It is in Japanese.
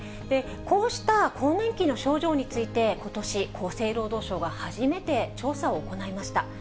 こうした更年期の症状について、ことし、厚生労働省が初めて調査を行いました。